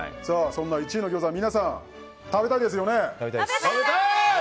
そんな１位のギョーザ皆さん、食べたいですよね？